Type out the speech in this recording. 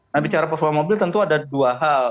nah bicara persoalan mobil tentu ada dua hal